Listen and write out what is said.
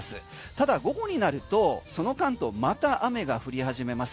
ただ、午後になるとその間また雨が降り始めます。